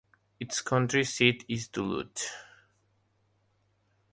Its county seat is Duluth.